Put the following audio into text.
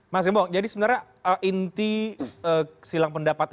mas gembong jadi sebenarnya inti silang pendapat